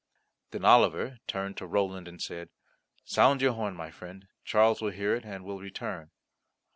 Then Oliver turned to Roland, and said, "Sound your horn; my friend, Charles will hear it, and will return."